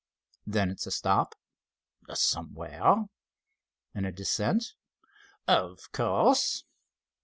"Then it's a stop?" "Somewhere." "And a descent?" "Of course."